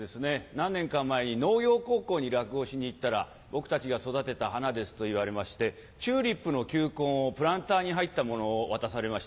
何年か前に農業高校に落語しに行ったら「僕たちが育てた花です」と言われましてチューリップの球根をプランターに入ったものを渡されました。